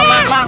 eh udah mak